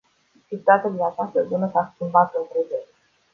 Situația din această zonă s-a schimbat în prezent.